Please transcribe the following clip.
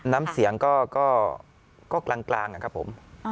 น้ำเสียงก็กลางนะครับผม